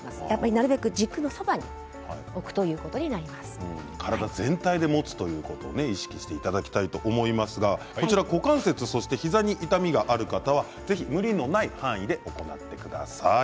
なるべく軸のそばに置く体全体で持つということを意識していただきたいと思いますが、股関節や膝に痛みがある方はぜひ無理のない範囲で行ってください。